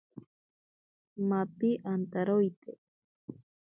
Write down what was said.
Mapi antaroite.